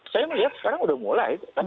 saya melihat sekarang udah mulai